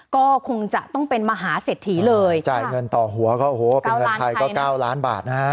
ก็คงจะต้องเป็นมหาเศรษฐีเลยจ่ายเงินต่อหัวก็โอ้โหเป็นเงินไทยก็เก้าล้านบาทนะฮะ